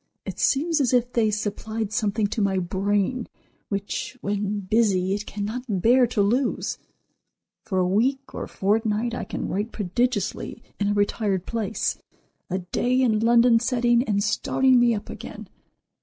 It seems as if they supplied something to my brain which, when busy, it cannot bear to lose. For a week or fortnight I can write prodigiously in a retired place, a day in London setting and starting me up again.